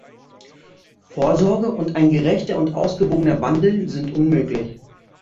Vorsorge und ein gerechter und ausgewogener Wandel sind unmöglich.